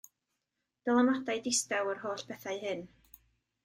Dylanwadau distaw yr holl bethau hyn.